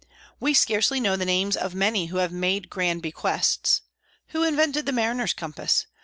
We scarcely know the names of many who have made grand bequests. Who invented the mariner's compass?